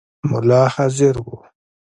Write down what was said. مُلا حاضر وو.